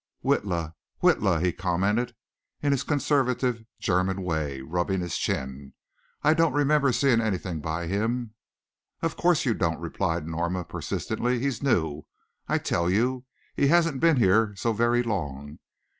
"Witla! Witla!" he commented in his conservative German way, rubbing his chin, "I doand remember seeing anything by him." "Of course you don't," replied Norma persistently. "He's new, I tell you. He hasn't been here so very long.